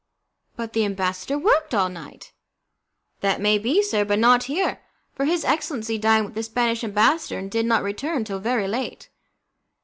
"But the ambassador worked all night?" "That may be, sir, but not here, for his excellency dined with the Spanish ambassador, and did not return till very late."